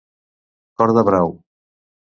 Cor de brau.